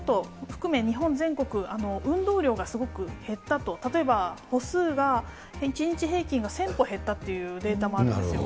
含め、日本全国、運動量がすごく減ったと、例えば歩数が１日平均が１０００歩減ったっていうデータもあるんですよ。